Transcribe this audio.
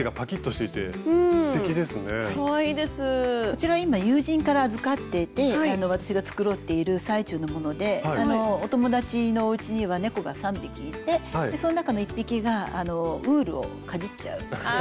こちら今友人から預かってて私が繕っている最中のものでお友達のおうちには猫が３匹いてその中の１匹がウールをかじっちゃう。